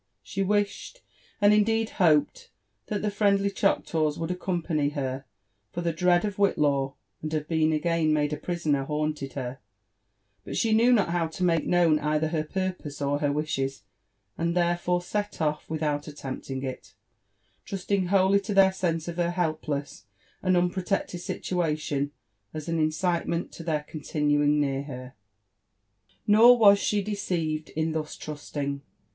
She wished, and indeed hoped, that, the friendly Chocktaws would accompany her, for the dread of Whitlaw, and of being again made a prisoner, haunted her ; but she knew not how to make known either her purpose or her wishes, and therefore set off without attempting it, trusting wholly to their sense of her helpless and unprotected situation as an incitement to their continuing near her. Nor was she deceived in thus trusting.